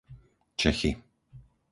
Čechy